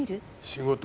仕事。